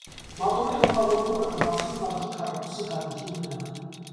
Մատուռի գլխաւոր դուռը կը բացուի վանքի քառակուսի գաւիթին վրայ։